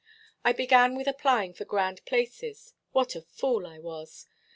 I began with applying for grand places; what a fool I was!